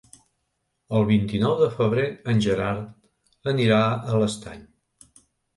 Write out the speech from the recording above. El vint-i-nou de febrer en Gerard anirà a l'Estany.